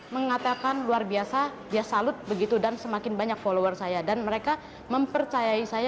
mengatakan luar biasa dia salut begitu dan semakin banyak follower saya dan mereka mempercayai saya